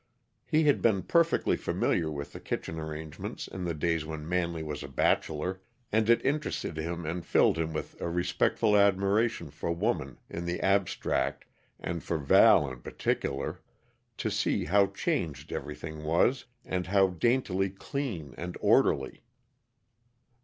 He had been perfectly familiar with the kitchen arrangements in the days when Manley was a bachelor, and it interested him and filled him with a respectful admiration for woman in the abstract and for Val in particular, to see how changed everything was, and how daintily clean and orderly.